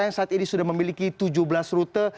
yang saat ini sudah memiliki tujuh belas rute